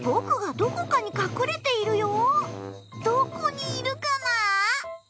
どこにいるかな？